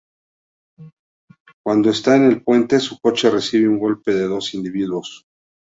Cuando está en el puente, su coche recibe un golpe de dos individuos.